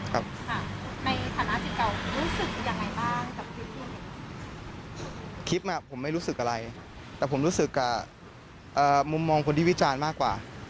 คลิปผมไม่รู้สึกอะไรแต่ผมรู้สึกกับมุมมองคนที่วิจารณ์มากกว่า